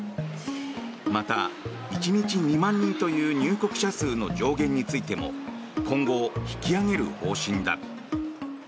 また、１日２万人という入国者数の上限についても今後、引き上げる方針だ。